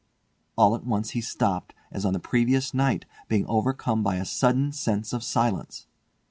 All at once he stopped, as on the previous night, being overcome by a sudden sense of silence.